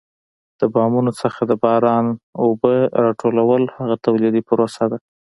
د بامونو څخه د باران اوبه را ټولول هغه تولیدي پروسه ده.